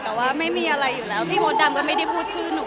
แต่ว่าไม่มีอะไรอยู่แล้วพี่มดดำก็ไม่ได้พูดชื่อหนู